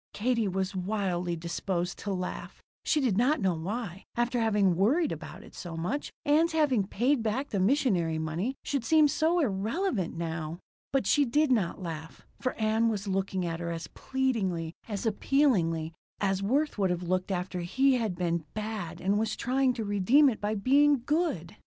Katie was wildly disposed to laugh. She did not know why, after having worried about it so much, Ann's having paid back the missionary money should seem so irrelevant now. But she did not laugh, for Ann was looking at her as pleadingly, as appealingly, as Worth would have looked after he had been "bad" and was trying to redeem it by being "good."